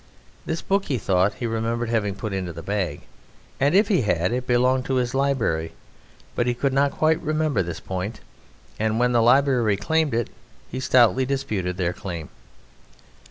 This book he thought he remembered having put into the bag, and if he had it belonged to his library, but he could not quite remember this point, and when the Library claimed it he stoutly disputed their claim.